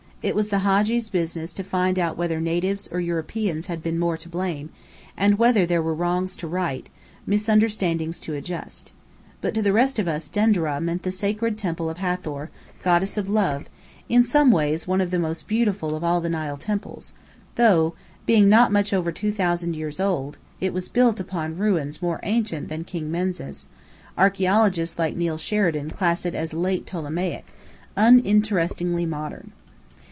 It was the Hadji's business to find out whether natives or Europeans had been more to blame, and whether there were wrongs to right, misunderstandings to adjust. But to the rest of us, Denderah meant the sacred temple of Hathor, Goddess of Love, in some ways one of the most beautiful of all the Nile temples; though, being not much over two thousand years old (it was built upon ruins more ancient than King Menes) archeologists like Neill Sheridan class it as "late Ptolemaic," uninterestingly modern.